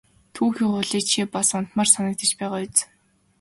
Түүхий хулуу чи бас унтмаар санагдаж байгаа биз!